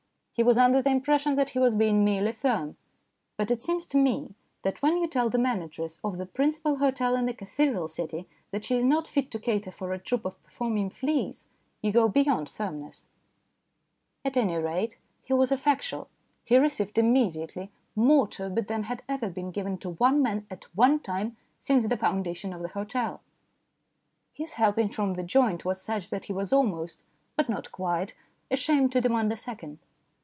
He was under the impression that he was being merely firm ; but it seems to me that when you tell the manageress of the principal hotel in a cathedral city that she is not fit to cater for a troop of performing fleas, you go beyond firmness. 184 STORIES IN GREY At any rate, he was effectual. He received im mediately more turbot than had ever been given to one man at one time since the foundation of the hotel. His helping from the joint was such that he was almost (but not quite) ashamed to demand a second.